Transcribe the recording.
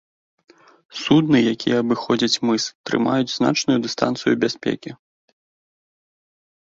Судны, якія абыходзяць мыс, трымаюць значную дыстанцыю бяспекі.